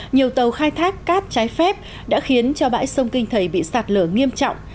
nhiều tàu khai thác cát trái phép đã khiến cho bãi sông kinh thầy bị sạt lở nghiêm trọng